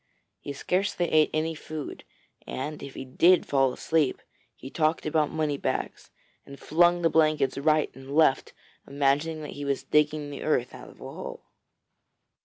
He scarcely ate any food, and if he did fall asleep, he talked about money bags, and flung the blankets right and left, imagining that he was digging the earth out of the hole.